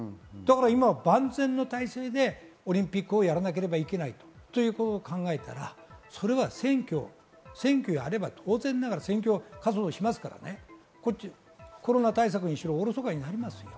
今万全の体制でオリンピックをやらなければいけないとこういうことを考えたら選挙をやれば当然ながら活動もしますからコロナ対策などがおろそかになります。